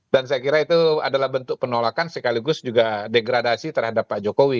dan saya kira itu adalah bentuk penolakan sekaligus juga degradasi terhadap pak jokowi